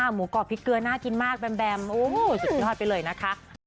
หมูกรอบพริกเกลือน่ากินมากแบมโอ้โหสุดพิชาติไปเลยนะคะ